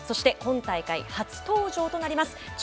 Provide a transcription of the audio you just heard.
今大会、初登場となります